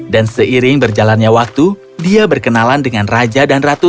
dan seiring berjalannya waktu dia berkenalan dengan raja dan ratu